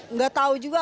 nggak tahu juga